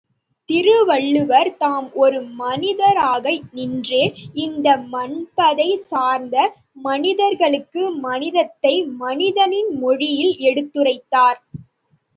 திருவள்ளுவர் தாம் ஒரு மனிதராக நின்றே, இந்த மன்பதை சார்ந்த மனிதர்களுக்கு மனிதத்தை, மனிதனின் மொழியில் எடுத்துரைத்தார்.